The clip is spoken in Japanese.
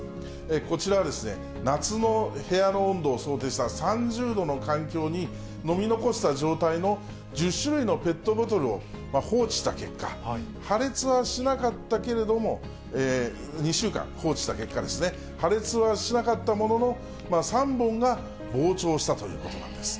こちらはですね、夏の部屋の温度を想定した３０度の環境に、飲み残した状態の１０種類のペットボトルを放置した結果、破裂はしなかったけれども、２週間放置した結果ですね、破裂はしなかったものの、３本が膨張したということなんです。